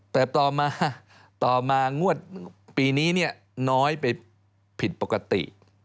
แต่ต่อมาต่อมางวดปีนี้น้อยไปผิดปกติ